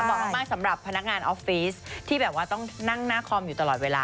เหมาะมากสำหรับพนักงานออฟฟิศที่แบบว่าต้องนั่งหน้าคอมอยู่ตลอดเวลา